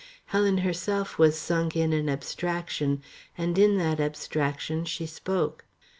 Helen herself was sunk in an abstraction, and in that abstraction she spoke.